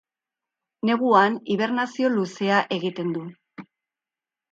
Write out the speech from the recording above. Neguan hibernazio luzea egiten du.